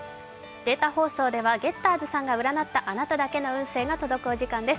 データ放送ではゲッターズさんが占ったあなただけの運勢が届くお時間です。